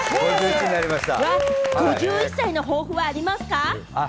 ５１歳の抱負はありますか？